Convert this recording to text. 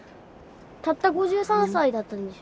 たった５３歳だったんでしょ？